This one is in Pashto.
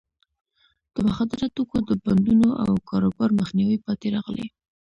د مخدره توکو د بانډونو او کاروبار مخنیوي پاتې راغلی.